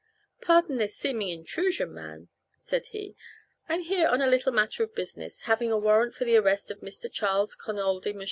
"Pardon this seeming intrusion, ma'am," said he. "I'm here on a little matter of business, having a warrant for the arrest of Mr. Charles Connoldy Mershone."